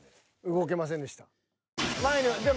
動けませんでした。